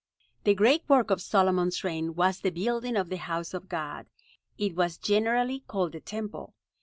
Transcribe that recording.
The great work of Solomon's reign was the building of the House of God. It was generally called the Temple.